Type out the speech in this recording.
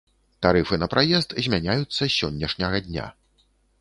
Тарыфы на праезд змяняюцца з сённяшняга дня.